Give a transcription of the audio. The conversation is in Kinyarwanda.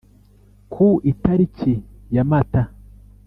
Ku itariki ya Mata